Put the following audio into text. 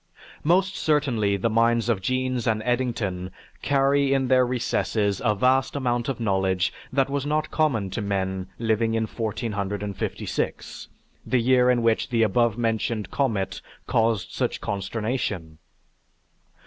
Most certainly the minds of Jeans and Eddington carry in their recesses a vast amount of knowledge that was not common to men living in 1456, the year in which the above mentioned comet caused such consternation.